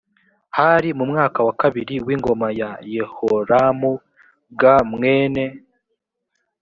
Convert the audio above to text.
hari mu mwaka wa kabiri w ingoma ya yehoramu g mwene